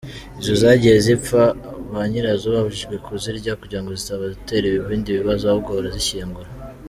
Izo zagiye zipfa ba nyirazo babujijwe kuzirya kugira ngo zitabatera ibindi bibazo, ahubwo barazishyingura.